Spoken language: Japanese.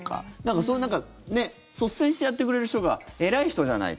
そういう率先してやってくれる人が偉い人じゃないと。